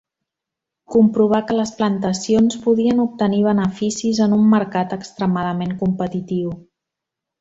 Comprovà que les plantacions podien obtenir beneficis en un mercat extremadament competitiu.